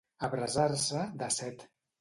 Abrasar-se de set.